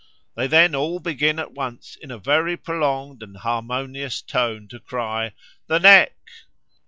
They then all begin at once in a very prolonged and harmonious tone to cry 'The neck!'